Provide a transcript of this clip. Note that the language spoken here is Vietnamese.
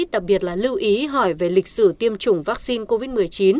đặc biệt là lưu ý hỏi về lịch sử tiêm chủng vaccine covid một mươi chín